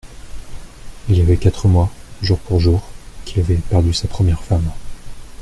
Il y avait quatre mois, jour pour jour, qu'il avait perdu sa première femme.